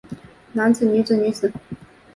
男子女子女子